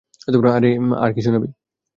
আরে আর কি শুনাবি!